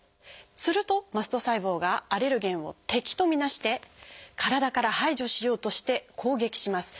するとマスト細胞がアレルゲンを敵と見なして体から排除しようとして攻撃します。